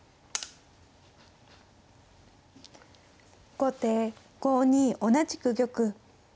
後手５二同じく玉。